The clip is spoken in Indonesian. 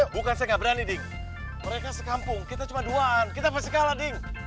bukan saya nggak berani ding mereka sekampung kita cuma duaan kita pasti kalah ding